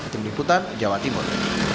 tim liputan jawa timur